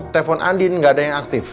telepon andin gak ada yang aktif